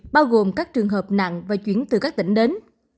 bao gồm các trường hợp nặng và chuyển từ các tỉnh đến